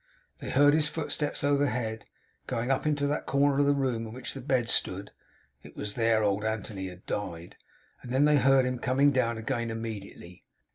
They heard his footsteps overhead, going up into that corner of the room in which the bed stood (it was there old Anthony had died); and then they heard him coming down again immediately.